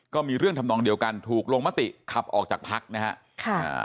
ก็มีเรื่องทำนองเดียวกันถูกลงมติขับออกจากพักนะฮะค่ะอ่า